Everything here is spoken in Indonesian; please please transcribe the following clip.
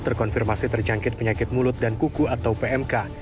terkonfirmasi terjangkit penyakit mulut dan kuku atau pmk